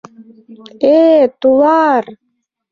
«Э-э, тулар...